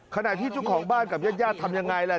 ขณะที่ชุของบ้านกับญาติย่านทำอย่างไร